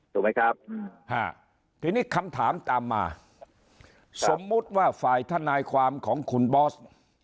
ถูกไหมครับทีนี้คำถามตามมาสมมุติว่าฝ่ายทนายความของคุณบอส